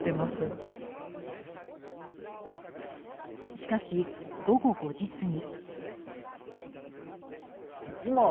しかし午後５時過ぎ。